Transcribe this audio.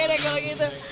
oke deh kalo gitu